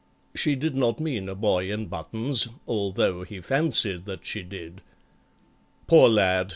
(She did not mean a boy in buttons, Although he fancied that she did.) Poor lad!